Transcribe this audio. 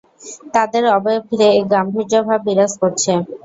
তাদের অবয়ব ঘিরে এক গাম্ভীর্যভাব বিরাজ করছে।